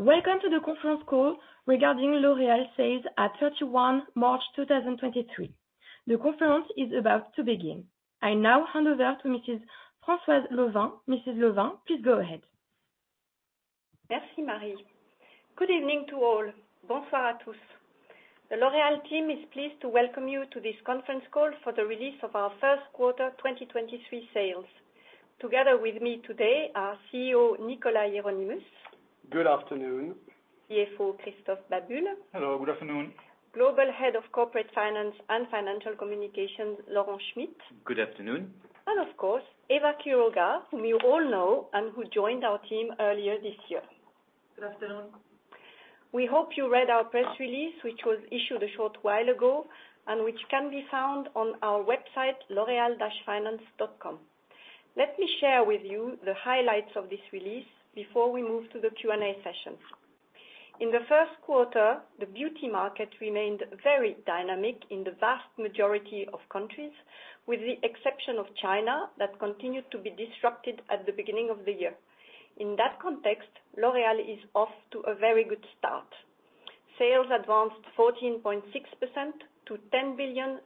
Welcome to the conference call regarding L'Oréal sales at 31 March 2023. The conference is about to begin. I now hand over to Mrs. Françoise Lauvin. Mrs. Lauvin, please go ahead. Merci, Marie. Good evening to all. Bonsoir à tous. The L'Oréal team is pleased to welcome you to this conference call for the release of our first quarter 2023 sales. Together with me today are CEO Nicolas Hieronimus. Good afternoon. CFO Christophe Babule. Hello, good afternoon. Global Head of Corporate Finance and Financial Communications Laurent Schmitt. Good afternoon. Of course, Eva Quiroga, whom you all know and who joined our team earlier this year. Good afternoon. We hope you read our press release, which was issued a short while ago and which can be found on our website, loreal-finance.com. Let me share with you the highlights of this release before we move to the Q&A session. In the first quarter, the beauty market remained very dynamic in the vast majority of countries, with the exception of China, that continued to be disrupted at the beginning of the year. In that context, L'Oréal is off to a very good start. Sales advanced 14.6% to 10.38 billion.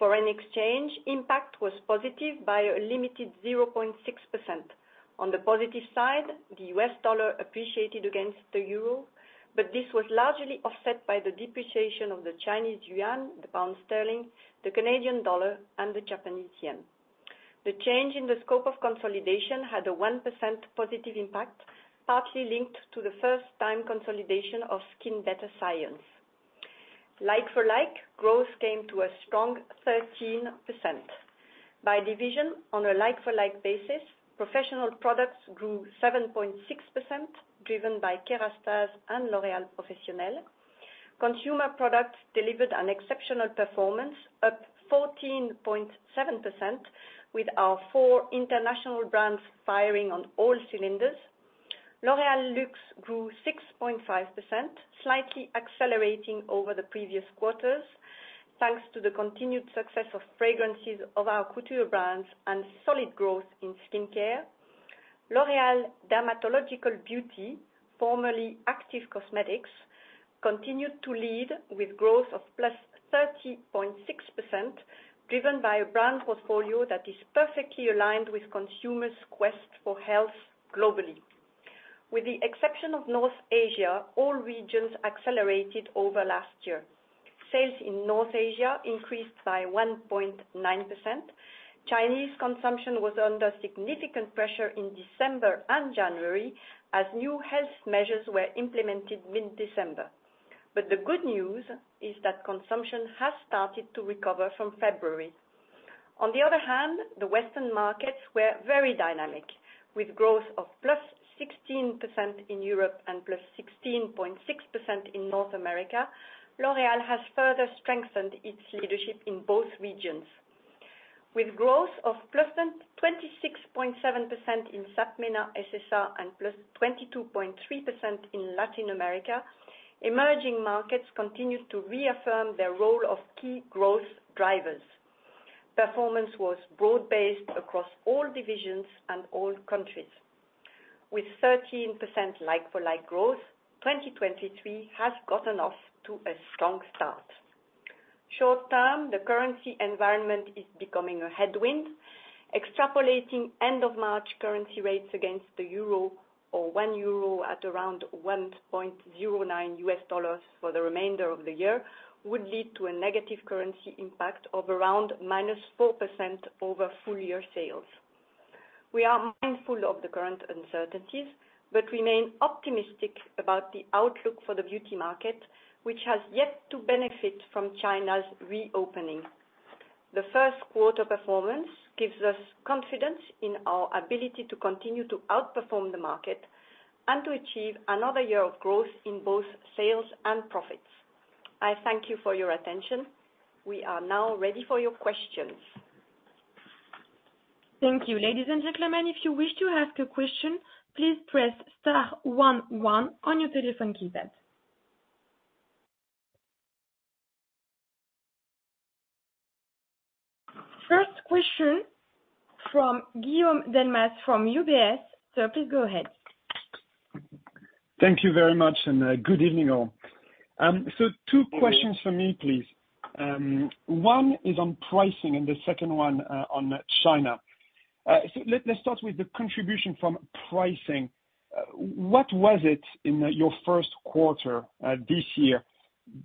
Foreign exchange impact was positive by a limited 0.6%. On the positive side, the U.S. dollar appreciated against the euro, but this was largely offset by the depreciation of the Chinese yuan, the pound sterling, the Canadian dollar, and the Japanese yen. The change in the scope of consolidation had a 1% positive impact, partly linked to the first time consolidation of Skinbetter Science. Like-for-like growth came to a strong 13%. By division on a like-for-like basis, Professional Products grew 7.6%, driven by Kérastase and L'Oréal Professionnel. Consumer Products delivered an exceptional performance, up 14.7%, with our four international brands firing on all cylinders. L'Oréal Luxe grew 6.5%, slightly accelerating over the previous quarters, thanks to the continued success of fragrances of our couture brands and solid growth in skincare. L'Oréal Dermatological Beauty, formerly Active Cosmetics, continued to lead with growth of +30.6%, driven by a brand portfolio that is perfectly aligned with consumers' quest for health globally. With the exception of North Asia, all regions accelerated over last year. Sales in North Asia increased by 1.9%. Chinese consumption was under significant pressure in December and January as new health measures were implemented mid-December. The good news is that consumption has started to recover from February. On the other hand, the Western markets were very dynamic. With growth of +16% in Europe and +16.6% in North America, L'Oréal has further strengthened its leadership in both regions. With growth of +26.7% in SAPMENA–SSA and +22.3% in Latin America, emerging markets continued to reaffirm their role of key growth drivers. Performance was broad-based across all divisions and all countries. With 13% like-for-like growth, 2023 has gotten off to a strong start. Short term, the currency environment is becoming a headwind. Extrapolating end of March currency rates against the euro or 1 euro at around $1.09 for the remainder of the year would lead to a negative currency impact of around -4% over full-year sales. Remain optimistic about the outlook for the beauty market, which has yet to benefit from China's reopening. The first quarter performance gives us confidence in our ability to continue to outperform the market and to achieve another year of growth in both sales and profits. I thank you for your attention. We are now ready for your questions. Thank you. Ladies and gentlemen, if you wish to ask a question, please press star one one on your telephone keypad. First question from Guillaume Delmas from UBS. Sir, please go ahead. Thank you very much, good evening, all. Two questions for me, please. One is on pricing and the second one on China. Let's start with the contribution from pricing. What was it in your first quarter this year?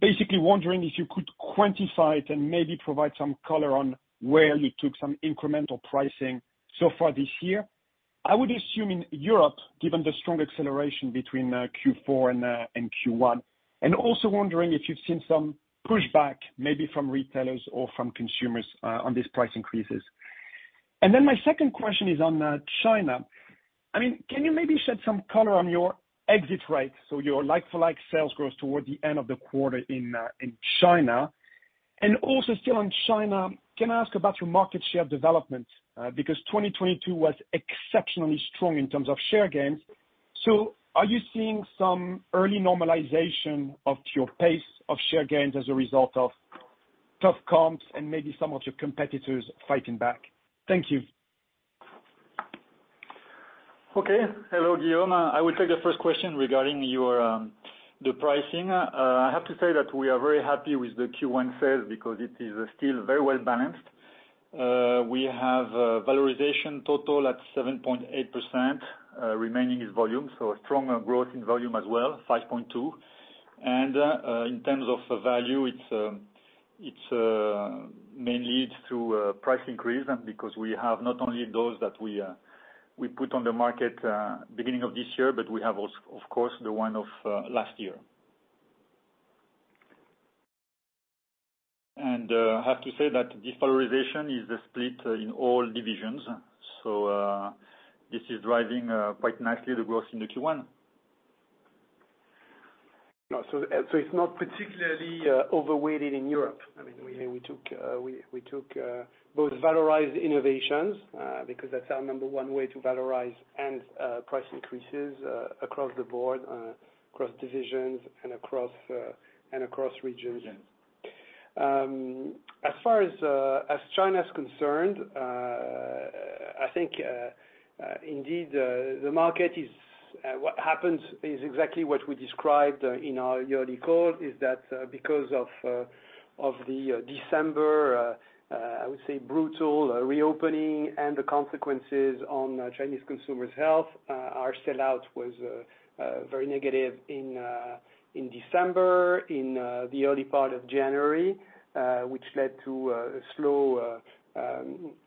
Basically wondering if you could quantify it and maybe provide some color on where you took some incremental pricing so far this year. I would assume in Europe, given the strong acceleration between Q4 and Q1, also wondering if you've seen some pushback, maybe from retailers or from consumers, on these price increases. My second question is on China. I mean, can you maybe shed some color on your exit rate, so your like-for-like sales growth toward the end of the quarter in China? Also still on China, can I ask about your market share development? Because 2022 was exceptionally strong in terms of share gains. Are you seeing some early normalization of your pace of share gains as a result of? Tough comps and maybe some of your competitors fighting back. Thank you. Okay. Hello, Guillaume. I will take the first question regarding your the pricing. I have to say that we are very happy with the Q1 sales because it is still very well-balanced. We have valorization total at 7.8%, remaining is volume, so a stronger growth in volume as well, 5.2%. In terms of the value, it's mainly through price increase and because we have not only those that we put on the market beginning of this year, but we have of course, the one of last year. I have to say that this polarization is split in all divisions. This is driving quite nicely the growth in the Q1. No, it's not particularly overweighted in Europe.I mean, we took both valorized innovations, because that's our number one way to valorize and price increases, across the board, across divisions and across and across regions. Yes. As far as China is concerned, I think indeed the market is... what happens is exactly what we described in our yearly call, is that because of the December I would say brutal reopening and the consequences on Chinese consumers' health, our sell-out was very negative in December, in the early part of January, which led to a slow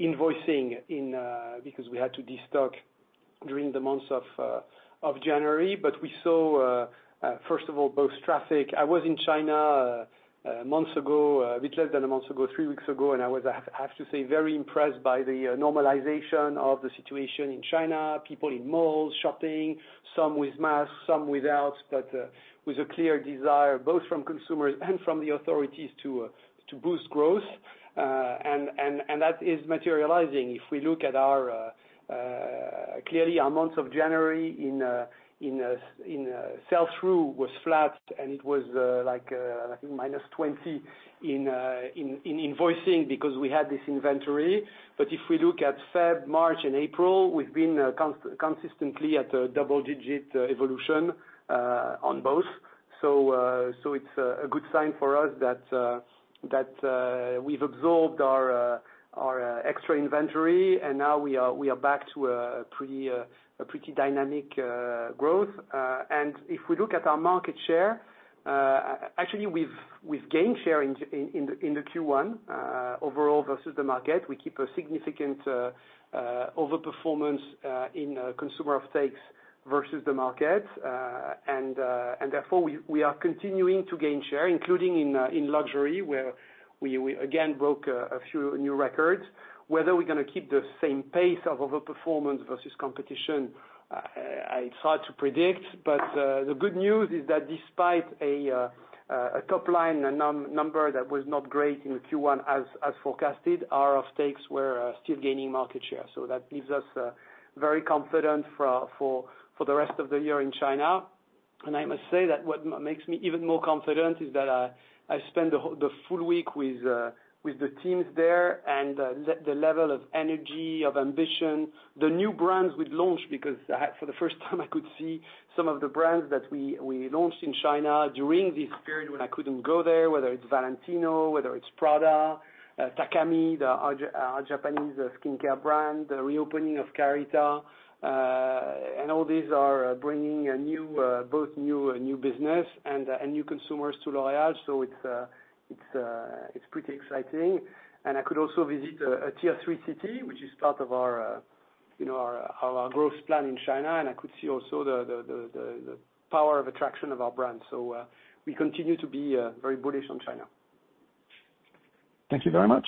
invoicing in because we had to destock during the months of January. We saw first of all, both traffic. I was in China, months ago, a bit less than a month ago, three weeks ago, and I was, I have to say, very impressed by the normalization of the situation in China, people in malls, shopping, some with masks, some without, but with a clear desire, both from consumers and from the authorities to boost growth. That is materializing. If we look at our, clearly our months of January in sell-through was flat, and it was like, I think -20 in invoicing because we had this inventory. If we look at Feb, March, and April, we've been consistently at a double-digit evolution on both. It's a good sign for us that we've absorbed our extra inventory, and now we are back to a pretty dynamic growth. If we look at our market share, actually we've gained share in the Q1 overall versus the market. We keep a significant overperformance in consumer offtakes versus the market. Therefore we are continuing to gain share, including in luxury, where we again broke a few new records. Whether we're gonna keep the same pace of overperformance versus competition, it's hard to predict. The good news is that despite a top line number that was not great in Q1 as forecasted, our offtakes were still gaining market share. That leaves us very confident for the rest of the year in China. I must say that what makes me even more confident is that I spent the full week with the teams there and the level of energy, of ambition, the new brands we've launched, because for the first time I could see some of the brands that we launched in China during this period when I couldn't go there, whether it's Valentino, whether it's Prada, Takami, our Japanese skincare brand, the reopening of Carita. All these are bringing a new business and new consumers to L'Oréal. It's pretty exciting. I could also visit Tier 3 city, which is part of our, you know, our growth plan in China. I could see also the power of attraction of our brand. We continue to be very bullish on China. Thank you very much.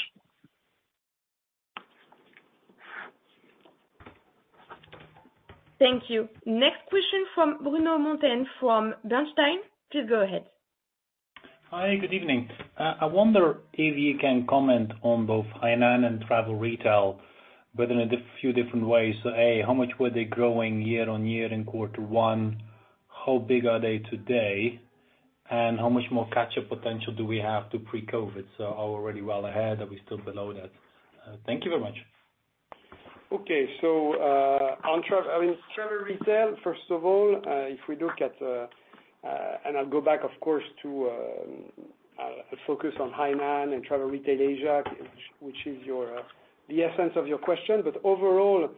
Thank you. Next question from Bruno Monteyne from Bernstein. Please go ahead. Hi, good evening. I wonder if you can comment on both Hainan and Travel Retail, but in a few different ways. A, how much were they growing year-on-year in Q1? How big are they today? How much more catch-up potential do we have to pre-COVID? Are we already well ahead? Are we still below that? Thank you very much. Okay. I mean, Travel Retail, first of all, if we look at, and I'll go back, of course, to focus on Hainan and Travel Retail Asia, which is your the essence of your question. Overall,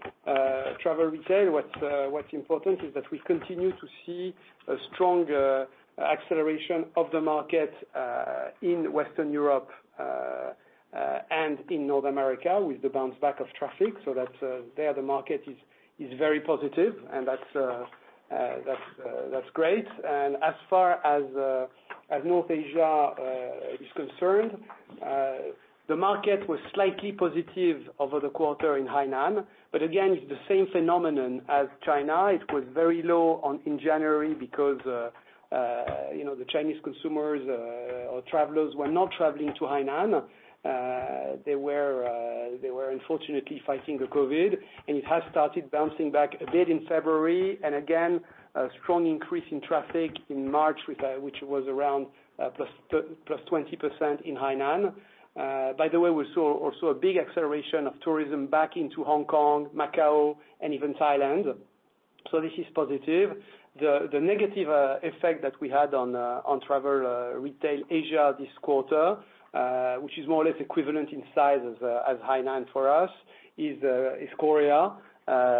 Travel Retail, what's important is that we continue to see a strong acceleration of the market in Western Europe and in North America with the bounce back of traffic. That's there the market is very positive and that's great. As far as North Asia is concerned, the market was slightly positive over the quarter in Hainan. Again, it's the same phenomenon as China. It was very low on, in January because, you know, the Chinese consumers or travelers were not traveling to Hainan. They were unfortunately fighting the COVID. It has started bouncing back a bit in February. Again, a strong increase in traffic in March, which was around +20% in Hainan. By the way, we saw also a big acceleration of tourism back into Hong Kong, Macau, and even Thailand. This is positive. The negative effect that we had on travel retail Asia this quarter, which is more or less equivalent in size as Hainan for us is Korea,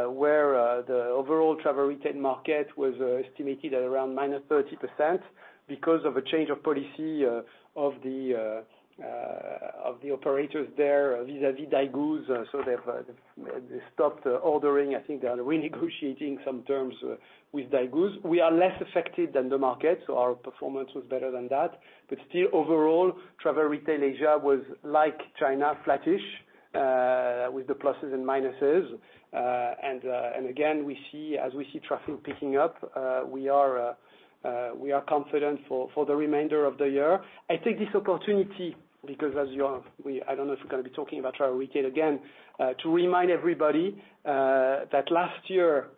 where the overall Travel Retail market was estimated at around -30% because of a change of policy of the operators there vis-à-vis Daigou. They've stopped ordering. I think they are renegotiating some terms with Daigou. We are less affected than the market, our performance was better than that. Still overall, Travel Retail Asia was like China, flattish, with the pluses and minuses. Again, as we see traffic picking up, we are confident for the remainder of the year. I take this opportunity because as you have, I don't know if we're gonna be talking about travel retail again, to remind everybody that last year,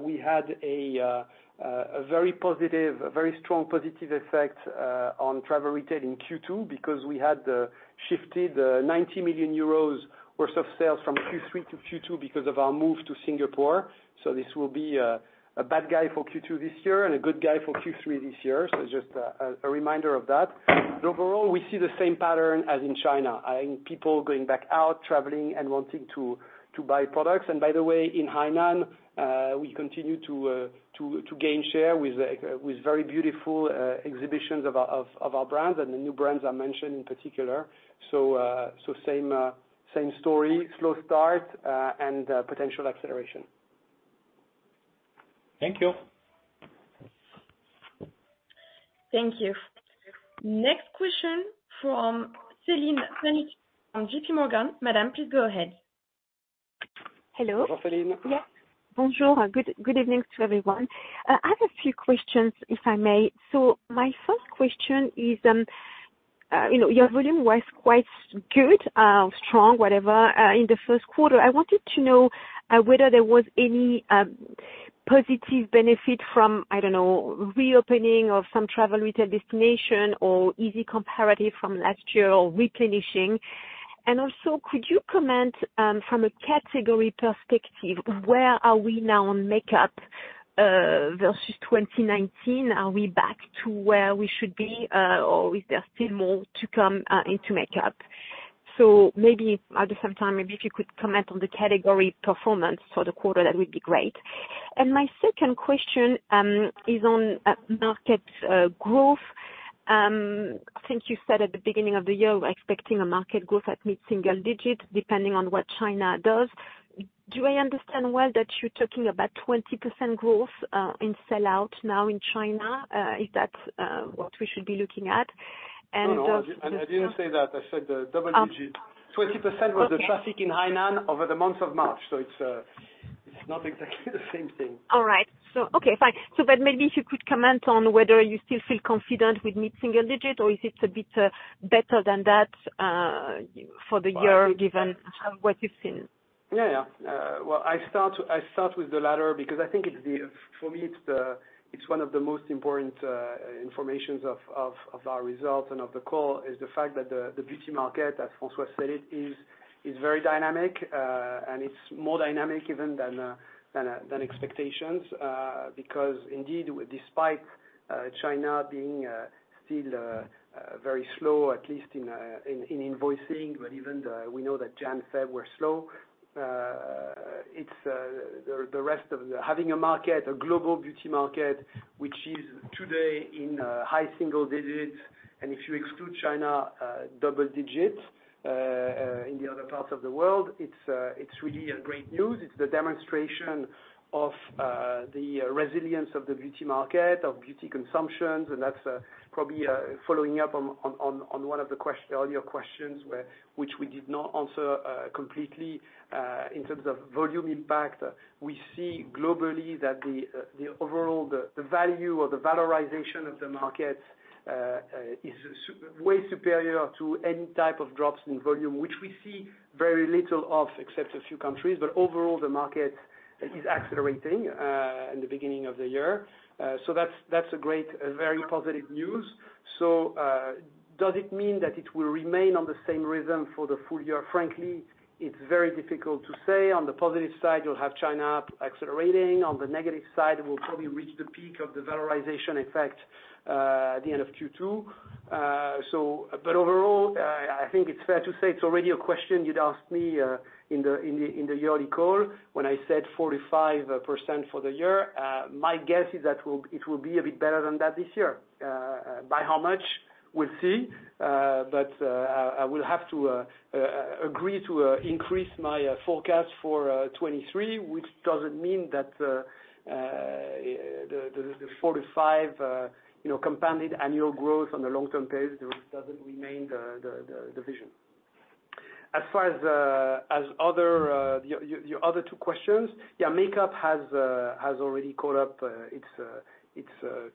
we had a very positive, a very strong positive effect on travel retail in Q2 because we had shifted 90 million euros worth of sales from Q3 to Q2 because of our move to Singapore. This will be a bad guy for Q2 this year and a good guy for Q3 this year. It's just a reminder of that. Overall, we see the same pattern as in China, in people going back out, traveling and wanting to buy products. By the way, in Hainan, we continue to gain share with very beautiful exhibitions of our brands and the new brands I mentioned in particular. Same story, slow start, and potential acceleration. Thank you. Thank you. Next question from Celine Pannuti on JPMorgan. Madam, please go ahead. Hello. Celine. Yes. Bonjour. Good evening to everyone. I have a few questions, if I may. My first question is, you know, your volume was quite good, strong, whatever, in the first quarter. I wanted to know whether there was any positive benefit from, I don't know, reopening of some Travel Retail destination or easy comparative from last year or replenishing. Also, could you comment from a category perspective, where are we now on makeup versus 2019? Are we back to where we should be, or is there still more to come into makeup? Maybe at the same time, maybe if you could comment on the category performance for the quarter, that would be great. My second question is on market growth. Since you said at the beginning of the year, we're expecting a market growth at mid-single digit, depending on what China does. Do I understand well that you're talking about 20% growth in sellout now in China? Is that what we should be looking at? No, no. I didn't say that. I said the double digit. Okay. 20% was the traffic in Hainan over the month of March. It's not exactly the same thing. All right. Okay, fine. Maybe if you could comment on whether you still feel confident with mid-single digit, or is it a bit better than that for the year, given what you've seen? Well, I start with the latter because I think it's one of the most important informations of our results and of the call is the fact that the beauty market, as Françoise said, is very dynamic. It's more dynamic even than expectations because indeed, despite China being still very slow, at least in invoicing, we know that January, February were slow. It's having a market, a global beauty market, which is today in high single digits. If you exclude China, double digits in the other parts of the world, it's really a great news. It's the demonstration of the resilience of the beauty market, of beauty consumptions. That's probably following up on one of the earlier questions which we did not answer completely in terms of volume impact. We see globally that the overall, the value or the valorization of the market is way superior to any type of drops in volume, which we see very little of, except a few countries. Overall, the market is accelerating in the beginning of the year. That's a great, a very positive news. Does it mean that it will remain on the same rhythm for the full year? Frankly, it's very difficult to say. On the positive side, you'll have China accelerating. On the negative side, we'll probably reach the peak of the valorization effect, at the end of Q2. Overall, I think it's fair to say it's already a question you'd asked me in the yearly call when I said 45% for the year. My guess is it will be a bit better than that this year. By how much? We'll see. But I will have to agree to increase my forecast for 2023, which doesn't mean that the 45%, you know, compounded annual growth on the long-term pace, the rest doesn't remain the vision. As far as your other two questions. Yeah, makeup has has already caught up its its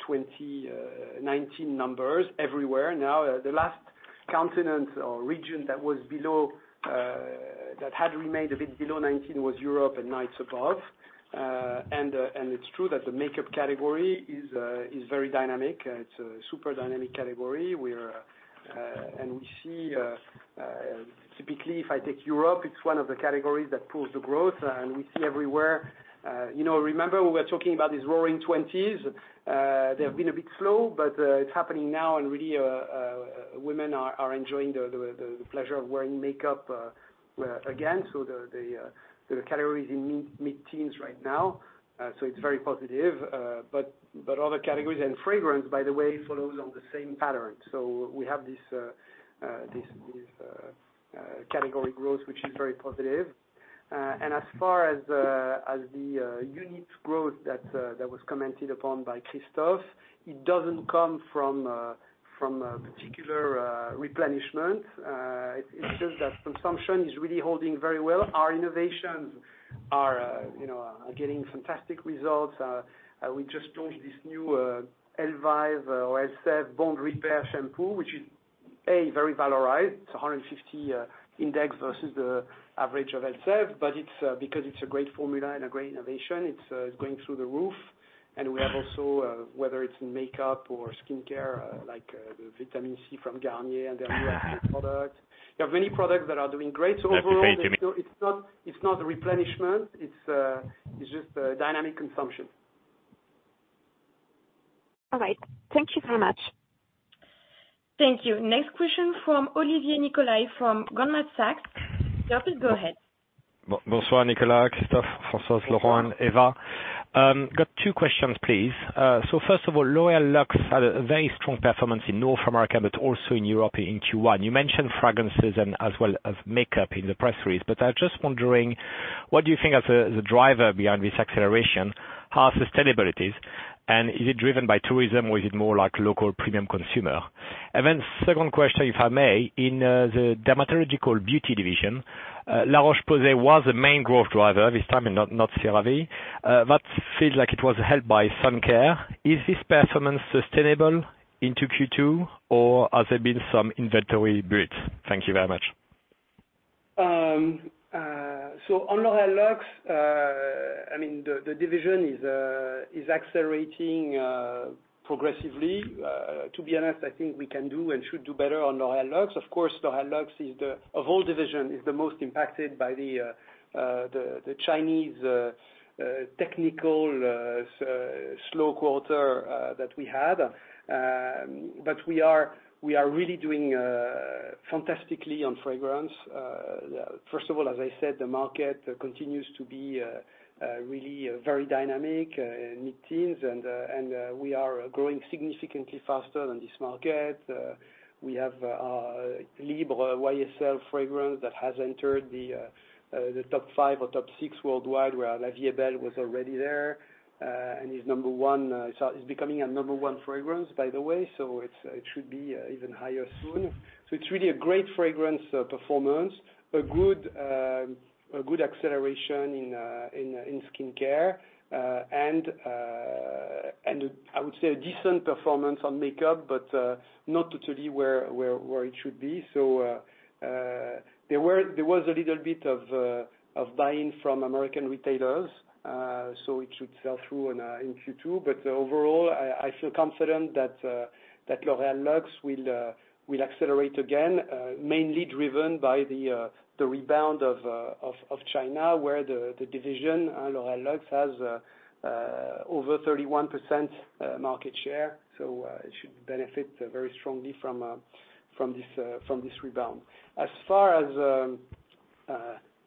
2019 numbers everywhere. The last continent or region that was below that had remained a bit below 2019 was Europe and now it's above. It's true that the makeup category is very dynamic. It's a super dynamic category. We're, and we see, typically, if I take Europe, it's one of the categories that pulls the growth, and we see everywhere. You know, remember we were talking about these roaring twenties, they have been a bit slow, but it's happening now, and really, women are enjoying the pleasure of wearing makeup again. The category is in mid-teens right now. It's very positive. Other categories and fragrance, by the way, follows on the same pattern. We have this category growth, which is very positive. As far as the unit growth that was commented upon by Christophe, it doesn't come from a particular replenishment. It's just that consumption is really holding very well. Our innovations are, you know, are getting fantastic results. We just launched this new Elvive or Elseve Bond Repair shampoo, which is very valorized. It's a 150 index versus the average of Elseve. It's because it's a great formula and a great innovation, it's going through the roof. We have also, whether it's in makeup or skincare, like the vitamin C from Garnier and their new ultimate products. There are many products that are doing great overall. It's not, it's not a replenishment. It's just a dynamic consumption. All right. Thank you very much. Thank you. Next question from Olivier Nicolai from Goldman Sachs. Go ahead. Bonsoir Nicolas, Christophe, Françoise, Laurent, Eva. Got Two questions, please. First of all, L'Oréal Luxe had a very strong performance in North America, but also in Europe in Q1. You mentioned fragrances and as well as makeup in the press release, I was just wondering, what do you think the driver behind this acceleration? How sustainable it is? Is it driven by tourism or is it more like local premium consumer? Second question, if I may. In the Dermatological Beauty division, La Roche-Posay was the main growth driver this time and not CeraVe. That feels like it was helped by sun care. Is this performance sustainable into Q2, or has there been some inventory build? Thank you very much. On L'Oréal Luxe, I mean, the division is accelerating progressively. To be honest, I think we can do and should do better on L'Oréal Luxe. Of course, L'Oréal Luxe is the, of all division, is the most impacted by the Chinese technical slow quarter that we had. We are really doing fantastically on fragrance. First of all, as I said, the market continues to be really very dynamic, mid-teens. We are growing significantly faster than this market. We have Libre YSL fragrance that has entered the top five or top six worldwide, where La Vie est Belle was already there and is Number 1. It's becoming a Number 1 fragrance, by the way, it's, it should be even higher soon. It's really a great fragrance performance, a good, a good acceleration in in skincare and I would say a decent performance on makeup, but not totally where it should be. There was a little bit of buy-in from American retailers, so it should sell through in Q2. Overall, I feel confident that L'Oréal Luxe will accelerate again, mainly driven by the rebound of China, where the division L'Oréal Luxe has over 31% market share. It should benefit very strongly from this rebound. As far as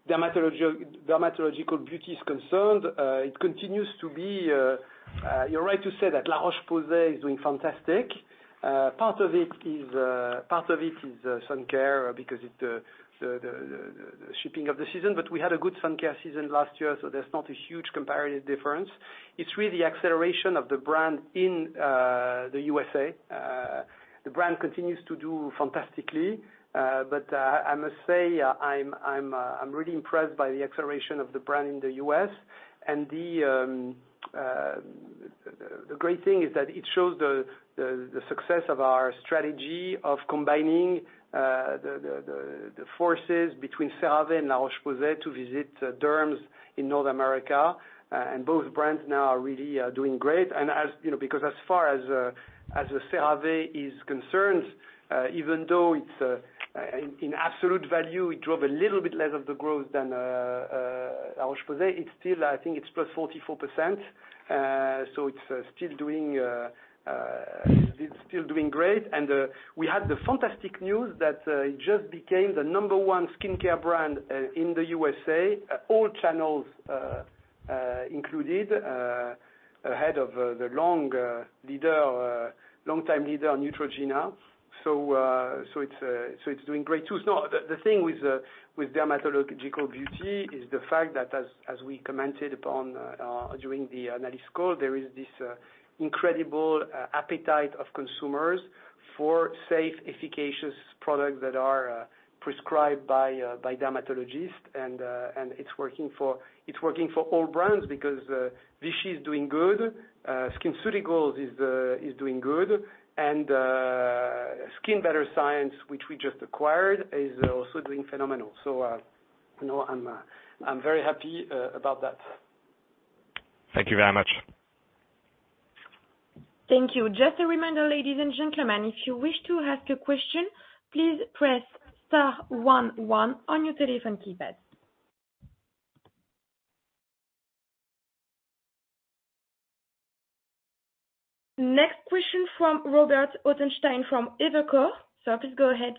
dermatological beauty is concerned, it continues to be, you're right to say that La Roche-Posay is doing fantastic. Part of it is sun care because it the shipping of the season. We had a good sun care season last year, so there's not a huge comparative difference. It's really acceleration of the brand in the USA. The brand continues to do fantastically. I must say I'm really impressed by the acceleration of the brand in the U.S. The great thing is that it shows the success of our strategy of combining the forces between CeraVe and La Roche-Posay to visit derms in North America. tags. And both brands now are really doing great. As, you know, because as far as CeraVe is concerned, even though it's in absolute value, it drove a little bit less of the growth than La Roche-Posay, it's still I think it's +44%. So it's still doing great. We had the fantastic news that it just became the number one skincare brand in the USA, all channels included, ahead of the long leader, longtime leader, Neutrogena. So it's doing great too. The thing with Dermatological Beauty is the fact that as we commented upon during the analyst call, there is this incredible appetite of consumers for safe, efficacious products that are prescribed by dermatologists. It's working for all brands because Vichy is doing good, SkinCeuticals is doing good. Skinbetter Science, which we just acquired, is also doing phenomenal. You know, I'm very happy about that. Thank you very much. Thank you. Just a reminder, ladies and gentlemen, if you wish to ask a question, please press star one one on your telephone keypads. Next question from Robert Ottenstein from Evercore. Sir, please go ahead.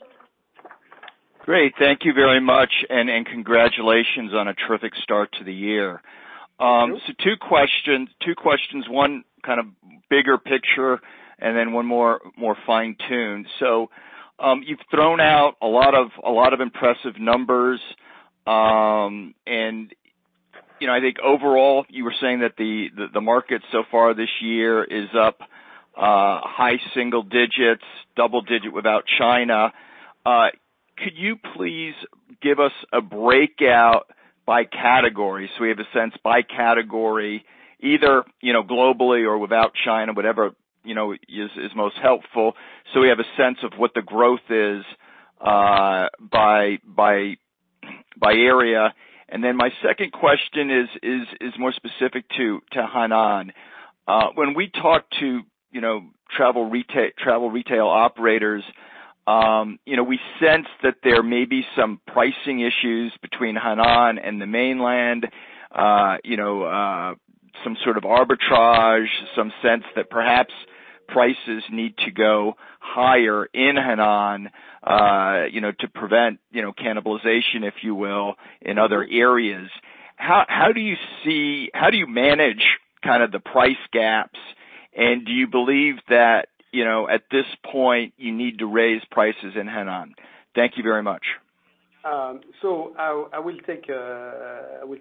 Great, thank you very much, and congratulations on a terrific start to the year. Two questions. One kind of bigger picture and then one more fine-tuned. You've thrown out a lot of impressive numbers. You know, I think overall, you were saying that the market so far this year is up high single digits, double digit without China. Could you please give us a breakout by category so we have a sense by category, either, you know, globally or without China, whatever, you know, is most helpful, so we have a sense of what the growth is by area? My second question is more specific to Hainan. When we talk to travel retail operators, we sense that there may be some pricing issues between Hainan and the mainland. Some sort of arbitrage, some sense that perhaps prices need to go higher in Hainan, to prevent cannibalization, if you will, in other areas. How do you manage kind of the price gaps, and do you believe that at this point you need to raise prices in Hainan? Thank you very much. I will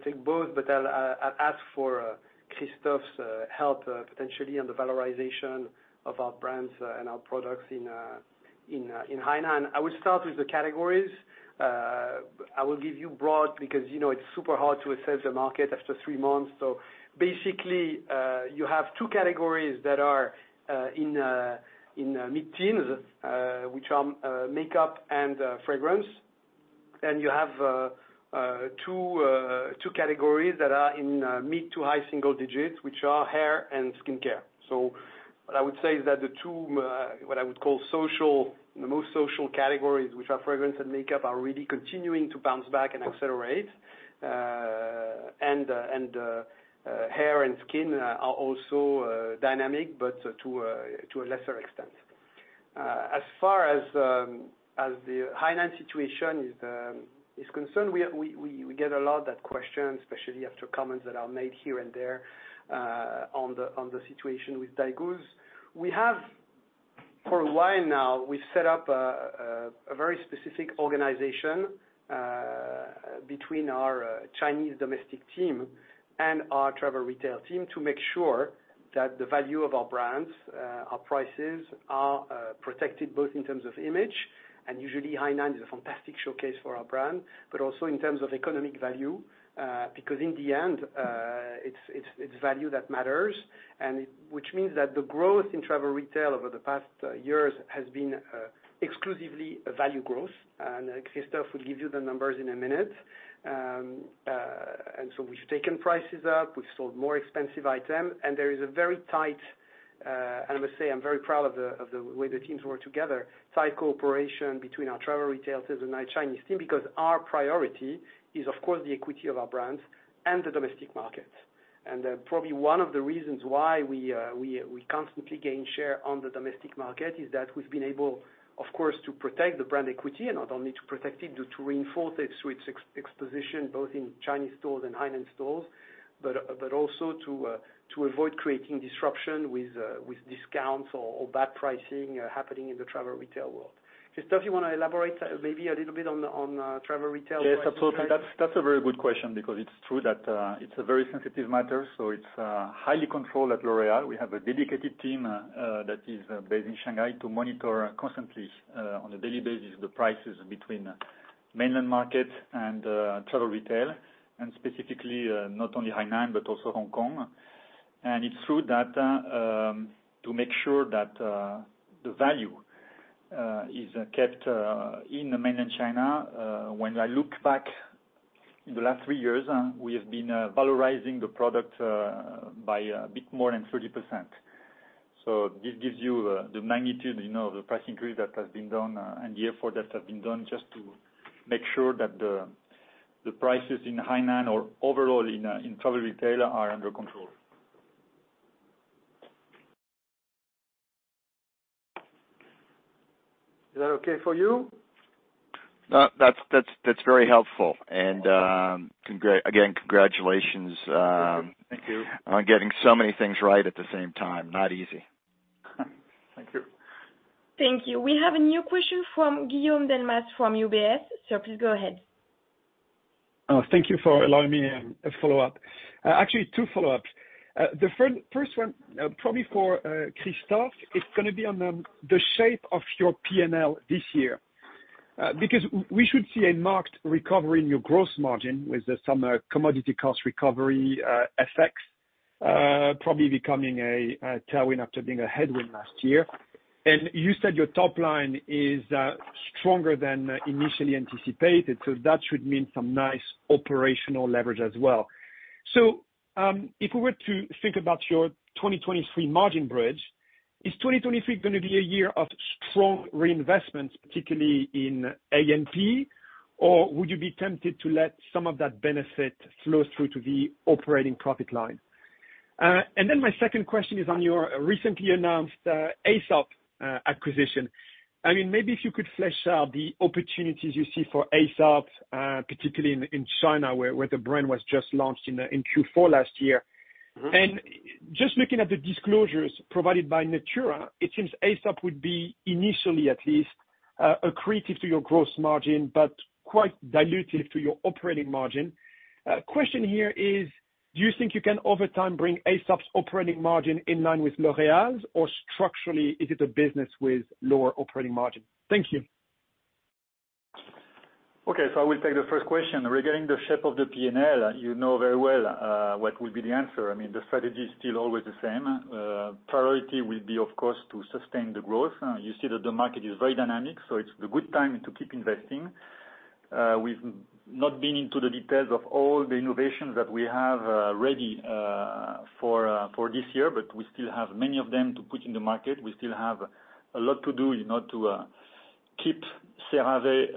take both, but I'll ask for Christophe's help, potentially on the valorization of our brands and our products in Hainan. I will start with the categories. I will give you broad, because, you know, it's super hard to assess the market after three months. Basically, you have two categories that are in mid-teens, which are makeup and fragrance. You have two categories that are in mid to high single digits, which are hair and skincare. What I would say is that the two, what I would call social, the most social categories, which are fragrance and makeup, are really continuing to bounce back and accelerate. Hair and skin are also dynamic, but to a lesser extent. As far as the Hainan situation is concerned, we get a lot of that question, especially after comments that are made here and there on the situation with daigou's. We have for a while now, we set up a very specific organization between our Chinese domestic team and our Travel Retail team to make sure that the value of our brands, our prices are protected both in terms of image, and usually Hainan is a fantastic showcase for our brand, but also in terms of economic value. Because in the end, it's, it's value that matters, and which means that the growth in travel retail over the past years has been exclusively a value growth. And Christophe will give you the numbers in a minute. And so we've taken prices up, we've sold more expensive item, and there is a very tight, and I must say I'm very proud of the way the teams work together, tight cooperation between our travel retail teams and our Chinese team, because our priority is of course the equity of our brands and the domestic market. Probably one of the reasons why we constantly gain share on the domestic market is that we've been able, of course, to protect the brand equity and not only to protect it, to reinforce its ex-exposition both in Chinese stores and Hainan stores, but also to avoid creating disruption with discounts or bad pricing, happening in the travel retail world. Christophe, you wanna elaborate maybe a little bit on travel retail pricing? Yes, absolutely. That's a very good question because it's true that it's a very sensitive matter, so it's highly controlled at L'Oréal. We have a dedicated team that is based in Shanghai to monitor constantly on a daily basis, the prices between mainland markets and travel retail, and specifically, not only Hainan but also Hong Kong. It's true that to make sure that the value is kept in mainland China, when I look back in the last three years, we have been valorizing the product by a bit more than 30%. This gives you the magnitude, you know, the price increase that has been done and the effort that has been done just to make sure that the prices in Hainan or overall in travel retailer are under control. Is that okay for you? No, that's very helpful. Again, congratulations. Thank you. On getting so many things right at the same time. Not easy. Thank you. Thank you. We have a new question from Guillaume Delmas from UBS. Please go ahead. Thank you for allowing me a follow-up. Actually Two follow-ups. The first one, probably for Christophe, is gonna be on the shape of your P&L this year. Because we should see a marked recovery in your gross margin with some commodity cost recovery effects, probably becoming a tailwind after being a headwind last year. You said your top line is stronger than initially anticipated, so that should mean some nice operational leverage as well. If we were to think about your 2023 margin bridge, is 2023 gonna be a year of strong reinvestments, particularly in A&P, or would you be tempted to let some of that benefit flow through to the operating profit line? My second question is on your recently announced Aesop acquisition. I mean, maybe if you could flesh out the opportunities you see for Aesop, particularly in China, where the brand was just launched in Q4 last year. Mm-hmm. Just looking at the disclosures provided by Natura, it seems Aesop would be initially, at least, accretive to your gross margin, but quite dilutive to your operating margin. Question here is, do you think you can over time, bring Aesop's operating margin in line with L'Oréal's, or structurally, is it a business with lower operating margin? Thank you. Okay. I will take the first question. Regarding the shape of the P&L, you know very well what will be the answer. I mean, the strategy is still always the same. Priority will be, of course, to sustain the growth. You see that the market is very dynamic, so it's the good time to keep investing. We've not been into the details of all the innovations that we have ready for this year, but we still have many of them to put in the market. We still have a lot to do, you know, to keep CeraVe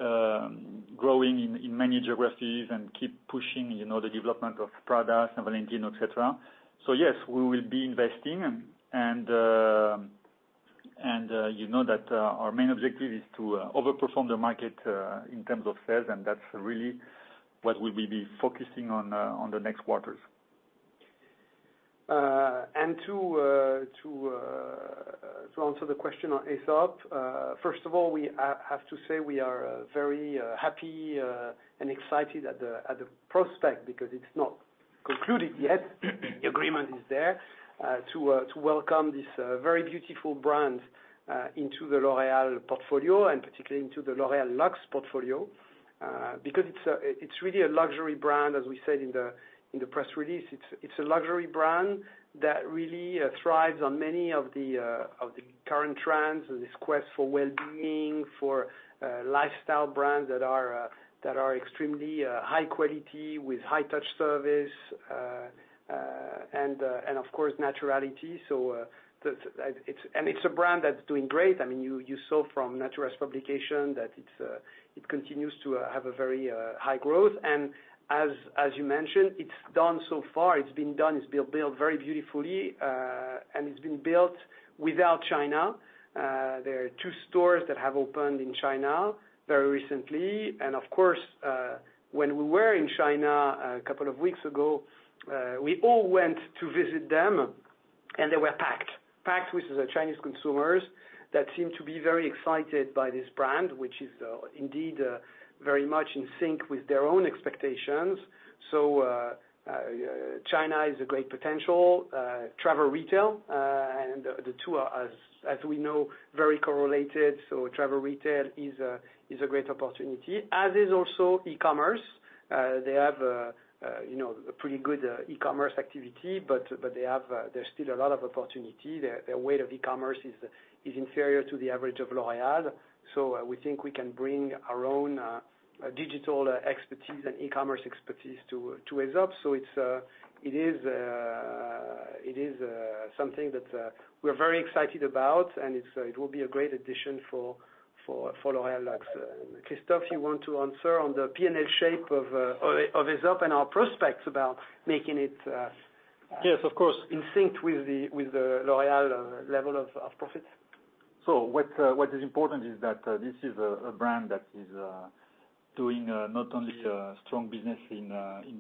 growing in many geographies and keep pushing, you know, the development of Prada and Valentino, et cetera. Yes, we will be investing, and, you know that, our main objective is to over-perform the market, in terms of sales, and that's really what we will be focusing on the next quarters. To answer the question on Aesop, first of all, we have to say we are very happy and excited at the prospect because it's not concluded yet. The agreement is there to welcome this very beautiful brand into the L'Oréal portfolio and particularly into the L'Oréal Luxe portfolio, because it's really a luxury brand, as we said in the press release. It's a luxury brand that really thrives on many of the current trends and this quest for well-being, for lifestyle brands that are extremely high quality with high touch service and of course naturality. The it's and it's a brand that's doing great. I mean, you saw from Natura's publication that it continues to have a very high growth. As you mentioned, it's done so far. It's been done. It's built very beautifully, and it's been built without China. There are two stores that have opened in China very recently, and of course, when we were in China a couple of weeks ago, we all went to visit them, and they were packed. Packed with the Chinese consumers that seem to be very excited by this brand, which is indeed very much in sync with their own expectations. China is a great potential, Travel Retail, and the two are as we know, very correlated, so Travel Retail is a great opportunity, as is also e-commerce. They have, you know, a pretty good e-commerce activity, but they have, there's still a lot of opportunity. The weight of e-commerce is inferior to the average of L'Oréal. We think we can bring our own digital expertise and e-commerce expertise to Aesop. It is something that we're very excited about and it will be a great addition for L'Oréal Luxe. Christophe, you want to answer on the P&L shape of Aesop and our prospects about making it. Yes, of course. In sync with the L'Oréal level of profits? What is important is that this is a brand that is doing not only strong business in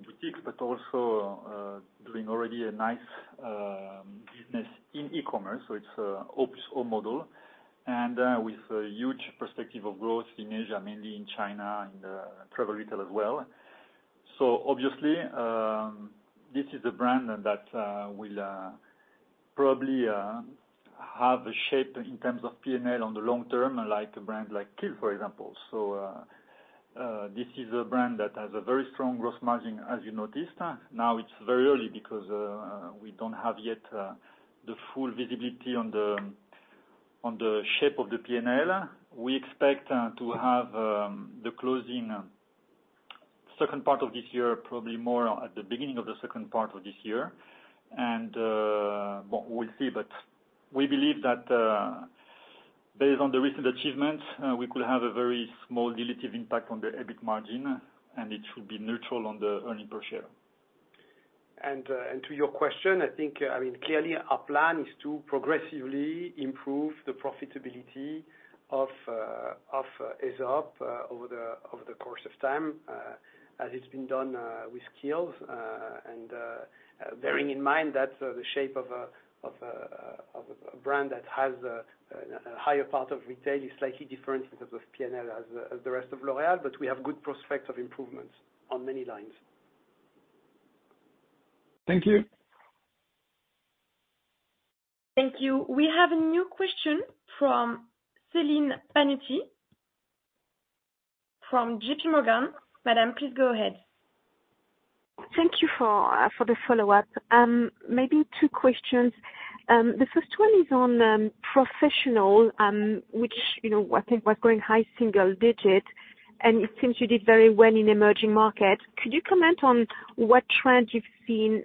boutiques, but also doing already a nice business in e-commerce. It's Aesop's own model, and with a huge perspective of growth in Asia, mainly in China, in the travel retail as well. Obviously, this is a brand that will probably have a shape in terms of P&L on the long term, like a brand like Kiehl's, for example. This is a brand that has a very strong growth margin, as you noticed. Now, it's very early because we don't have yet the full visibility on the shape of the P&L. We expect to have the closing second part of this year, probably more at the beginning of the second part of this year. Well, we'll see, but we believe that based on the recent achievements, we could have a very small dilutive impact on the EBIT margin, and it should be neutral on the earning per share. To your question, I think, I mean, clearly our plan is to progressively improve the profitability of Aesop over the course of time, as it's been done with Kiehl's. Bearing in mind that the shape of a brand that has a higher part of retail is slightly different in terms of P&L as the rest of L'Oréal, but we have good prospects of improvements on many lines. Thank you. Thank you. We have a new question from Celine Pannuti from JPMorgan. Madam, please go ahead. Thank you for the follow-up. Maybe two questions. The first one is on Professional, which, you know, I think was growing high single-digit, and it seems you did very well in emerging markets. Could you comment on what trends you've seen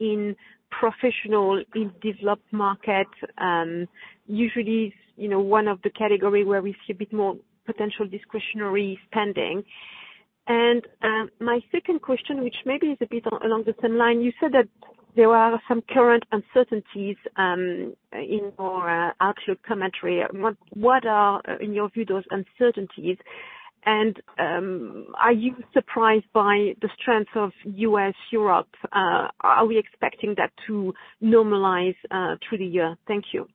in Professional, in developed markets? Usually, you know, one of the category where we see a bit more potential discretionary spending. My second question, which maybe is a bit along the same line, you said that there are some current uncertainties in your outlook commentary. What are, in your view, those uncertainties? Are you surprised by the strength of U.S., Europe? Are we expecting that to normalize through the year? Thank you.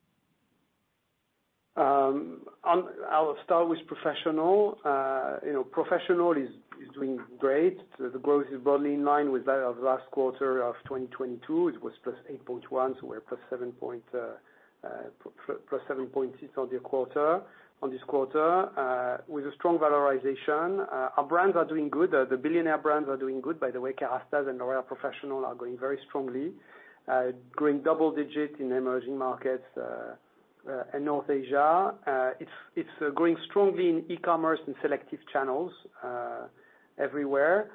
I'll start with Professional. You know, Professional is doing great. The growth is broadly in line with that of last quarter of 2022. It was +8.1%, we're +7.6% on this quarter with a strong valorization. Our brands are doing good. The billionaire brands are doing good. By the way, Kérastase and L'Oréal Professionnel are growing very strongly, growing double-digit in emerging markets, in North Asia. It's growing strongly in e-commerce and selective channels everywhere.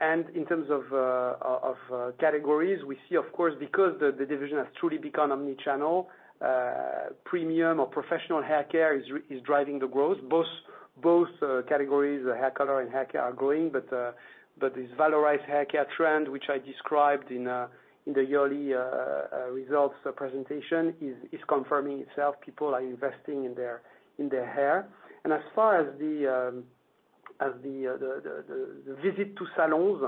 In terms of categories, we see, of course, because the division has truly become omni-channel, premium or Professional haircare is driving the growth. Both categories, hair color and haircare are growing, but this valorized haircare trend, which I described in the yearly results presentation is confirming itself. People are investing in their hair. As far as the visit to salons,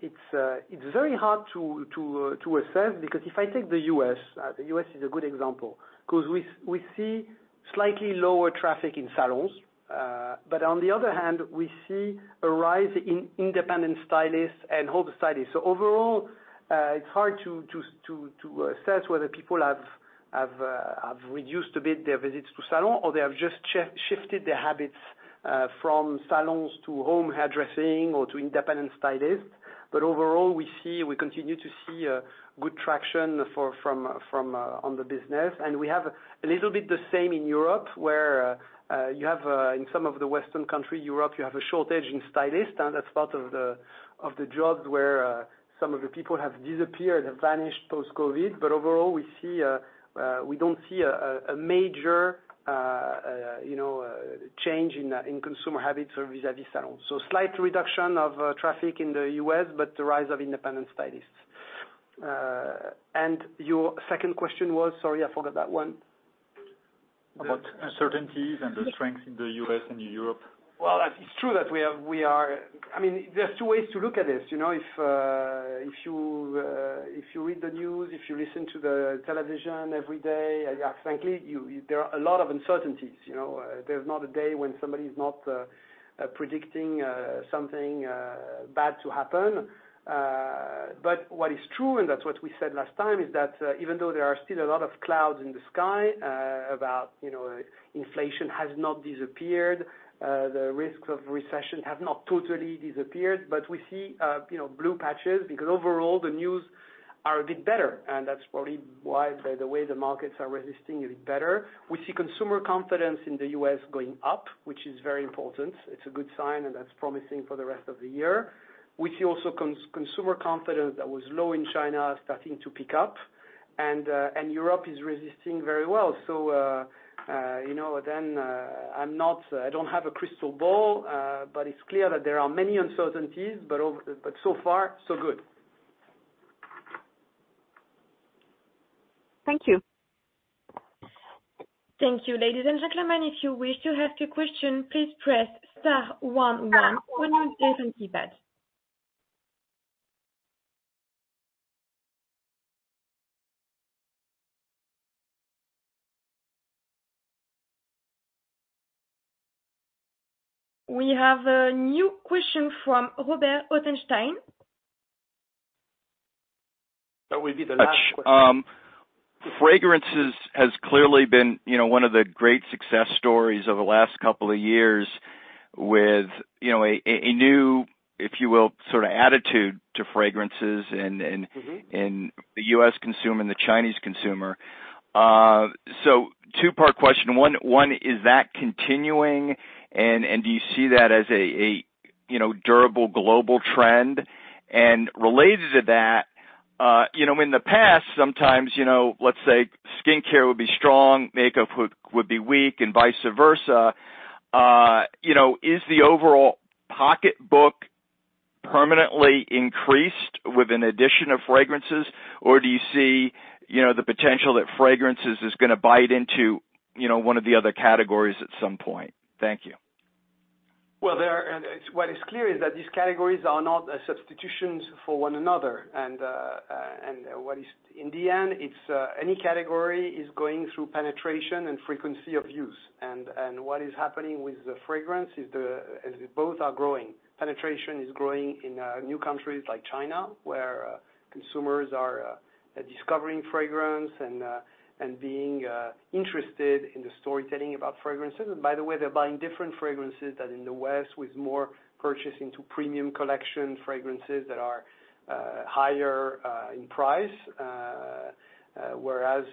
it's very hard to assess, because if I take the U.S., the U.S. is a good example, because we see slightly lower traffic in salons. On the other hand, we see a rise in independent stylists and home stylists. Overall, it's hard to assess whether people have reduced a bit their visits to salon or they have just shifted their habits from salons to home hairdressing or to independent stylists. Overall, we continue to see a good traction for, from, on the business. We have a little bit the same in Europe, where you have in some of the Western country, Europe, you have a shortage in stylists, and that's part of the jobs where some of the people have disappeared, have vanished post-COVID. Overall, we see, we don't see a major, you know, change in consumer habits or vis-à-vis salons. Slight reduction of traffic in the US, but the rise of independent stylists. Your second question was? Sorry, I forgot that one. About uncertainties and the strength in the U.S. and Europe. Well, it's true that I mean, there's two ways to look at this, you know? If you read the news, if you listen to the television every day, frankly, you, there are a lot of uncertainties, you know? There's not a day when somebody is not predicting something bad to happen. What is true, and that's what we said last time, is that even though there are still a lot of clouds in the sky, about, you know, inflation has not disappeared, the risk of recession has not totally disappeared. We see, you know, blue patches because overall the news are a bit better, and that's probably why, by the way, the markets are resisting a bit better. We see consumer confidence in the U.S. going up, which is very important. It's a good sign, and that's promising for the rest of the year. We see also consumer confidence that was low in China starting to pick up, and Europe is resisting very well. You know, then, I don't have a crystal ball, but it's clear that there are many uncertainties, but so far, so good. Thank you. Thank you. Ladies and gentlemen, if you wish to ask a question, please press star one on your telephone keypad. We have a new question from Robert Ottenstein. That will be the last question. Fragrances has clearly been, you know, one of the great success stories over the last couple of years with, you know, a new, if you will, sort of attitude to fragrances. Mm-hmm. In the U.S. consumer and the Chinese consumer. Two-part question. One, is that continuing? Do you see that as a, you know, durable global trend? Related to that, you know, in the past, sometimes, you know, let's say skincare would be strong, makeup would be weak and vice versa. You know, is the overall pocketbook permanently increased with an addition of fragrances, or do you see, you know, the potential that fragrances is gonna bite into, you know, one of the other categories at some point? Thank you. Well, what is clear is that these categories are not substitutions for one another. In the end, it's any category is going through penetration and frequency of use. What is happening with the fragrance is both are growing. Penetration is growing in new countries like China, where consumers are discovering fragrance and being interested in the storytelling about fragrances. By the way, they're buying different fragrances than in the West, with more purchasing to premium collection fragrances that are higher in price. Whereas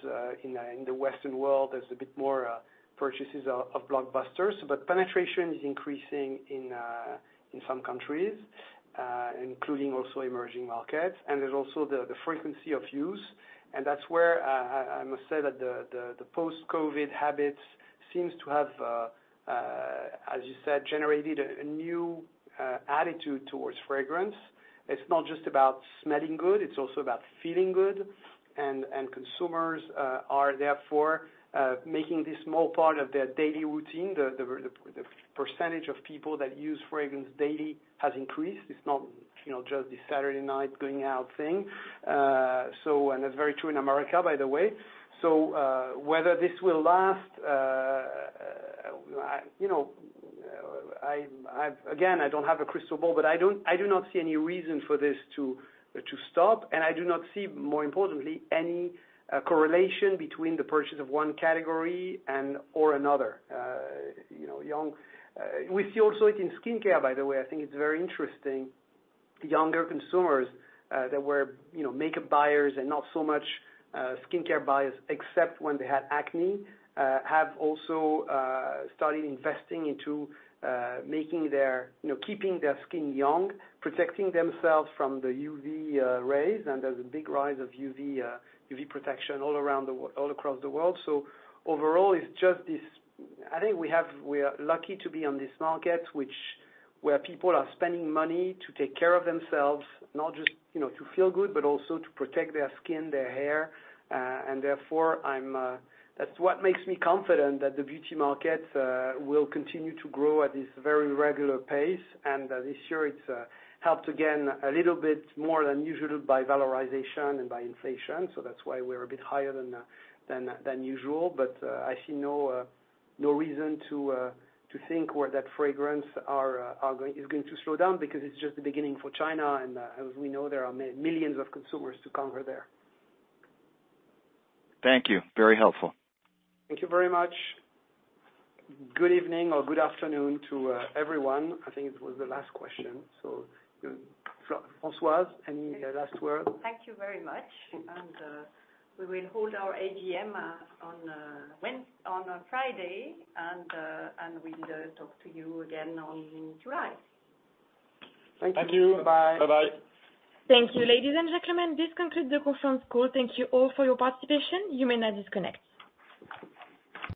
in the Western world, there's a bit more purchases of blockbusters. Penetration is increasing in some countries, including also emerging markets. There's also the frequency of use, and that's where I must say that the post-COVID habits seems to have, as you said, generated a new attitude towards fragrance. It's not just about smelling good, it's also about feeling good. Consumers are therefore making this small part of their daily routine. The percentage of people that use fragrance daily has increased. It's not, you know, just the Saturday night going out thing. That's very true in America, by the way. Whether this will last, you know, again, I don't have a crystal ball, but I do not see any reason for this to stop. I do not see, more importantly, any correlation between the purchase of one category and or another. you know, We see also it in skincare, by the way. I think it's very interesting. Younger consumers, that were, you know, makeup buyers and not so much skincare buyers, except when they had acne, have also started investing into making their, you know, keeping their skin young, protecting themselves from the UV rays. There's a big rise of UV protection all across the world. Overall, it's just this. I think we are lucky to be on this market, which where people are spending money to take care of themselves, not just, you know, to feel good, but also to protect their skin, their hair. Therefore I'm. That's what makes me confident that the beauty market will continue to grow at this very regular pace. This year it's helped again a little bit more than usual by valorization and by inflation. That's why we're a bit higher than usual. I see no reason to think or that fragrance are going to slow down because it's just the beginning for China. As we know, there are millions of consumers to conquer there. Thank you. Very helpful. Thank you very much. Good evening or good afternoon to, everyone. I think it was the last question. Françoise, any last word? Thank you very much. We will hold our AGM on Friday. We will talk to you again on July. Thank you. Bye. Thank you. Bye-bye. Thank you, ladies and gentlemen, this concludes the conference call. Thank you all for your participation. You may now disconnect.